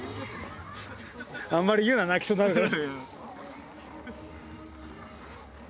あんまり言うな泣きそうになるから。